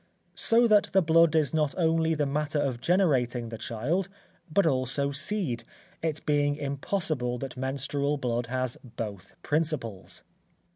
So that the blood is not only the matter of generating the child, but also seed, it being impossible that menstrual blood has both principles.